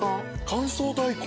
乾燥大根？